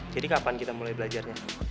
jadi kapan kita mulai belajarnya